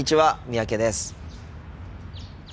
三宅です。